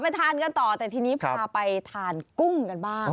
ทานกันต่อแต่ทีนี้พาไปทานกุ้งกันบ้าง